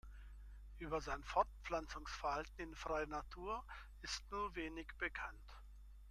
Über sein Fortpflanzungsverhalten in freier Natur ist nur wenig bekannt.